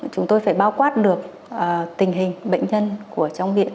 chúng tôi phải bao quát được tình hình bệnh nhân của trong viện